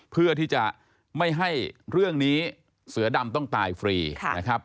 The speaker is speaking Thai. เพื่อที่จะไม่ให้เรื่องนี้เสือดำต้องตายฟรีนะครับ